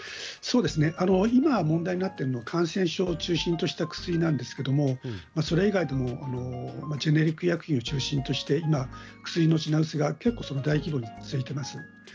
今、問題になっているのは感染症を中心とした薬なんですけれどもそれ以外でもジェネリック医薬品を中心として薬の品薄が結構、大規模に続いています。